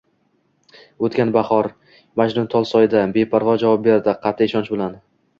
— O’tgan bahor. Majnuntolsoyda, — beparvo javob berdi qat’iy ishonch bilan.